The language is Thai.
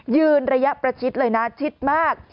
ยืนระยะประชิดเลยนะชิดมาก